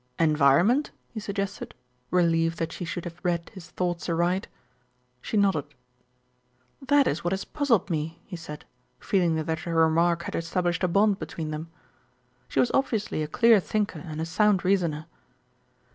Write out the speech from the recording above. "Environment?" he suggested, relieved that she should have read his thoughts aright. She nodded. "That is what has puzzled me," he said, feeling that her remark had established a bond between them. She was obviously a clear thinker and a sound reasoner.